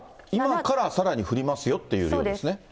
今からさらに降りますよということですね。